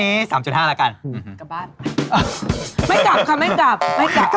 ปีเจ้าด้องที่หน้าความสวยงามก่อนหน้าตัววิ่งไอ้คะ